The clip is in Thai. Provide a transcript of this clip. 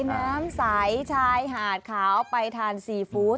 น้ำใสชายหาดขาวไปทานซีฟู้ด